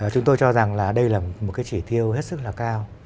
chúng tôi cho rằng đây là một chỉ thiêu hết sức là cao